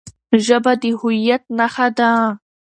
ژبه د هويت نښه ده.